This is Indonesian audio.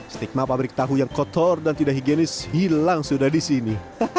stigma pabrik tahu yang kotor dan tidak higienis hilang sudah di sini